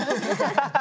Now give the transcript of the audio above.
ハハハハ！